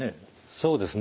そうですね。